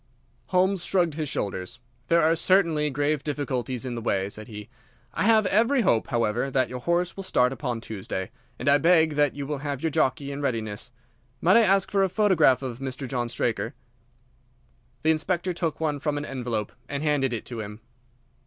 Holmes shrugged his shoulders. "There are certainly grave difficulties in the way," said he. "I have every hope, however, that your horse will start upon Tuesday, and I beg that you will have your jockey in readiness. Might I ask for a photograph of Mr. John Straker?" The Inspector took one from an envelope and handed it to him.